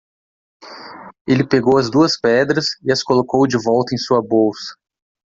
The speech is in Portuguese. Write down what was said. Ele pegou as duas pedras e as colocou de volta em sua bolsa.